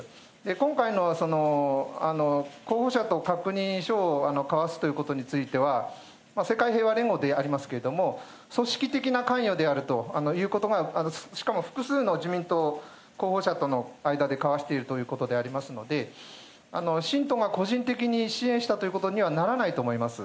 今回の候補者と確認書を交わすということについては、世界平和連合でありますけれども、組織的な関与であるということが、しかも複数の自民党の候補者との間で交わしているということでありますので、信徒が個人的に支援したということにはならないと思います。